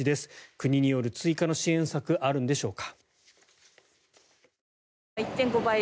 国による追加の支援策あるんでしょうか。